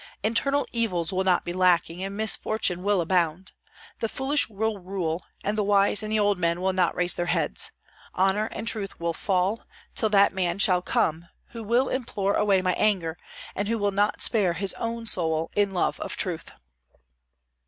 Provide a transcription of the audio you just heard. Internal evils will not be lacking, and misfortune will abound. The foolish will rule, and the wise and the old men will not raise their heads. Honor and truth will fall, till that man shall come who will implore away my anger and who will not spare his own soul in love of truth."